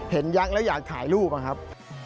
ยักษ์แล้วอยากถ่ายรูปอะครับ